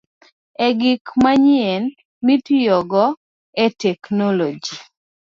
E gik manyien mitiyogo e teknoloji.